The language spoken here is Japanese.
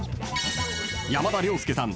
［山田涼介さん